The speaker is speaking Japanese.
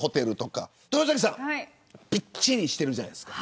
豊崎さんぴっちりしてるじゃないですか。